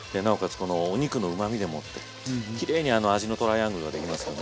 このお肉のうまみでもってきれいに味のトライアングルが出来ますよね。